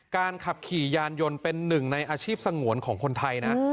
ขับขี่ยานยนต์เป็นหนึ่งในอาชีพสงวนของคนไทยนะ